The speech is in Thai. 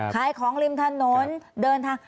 ขายของริมถนนเดินทาง